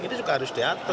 ini juga harus diatur